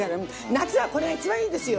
夏はこれが一番いいですよ